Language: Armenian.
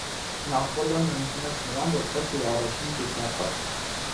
Նապոլեոնն ընդունեց նրան, որպես իր առաջին թիկնապահ։